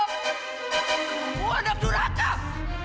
kamu ada berdurang akab